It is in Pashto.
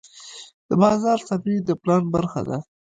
د بازار سروې د پلان برخه ده.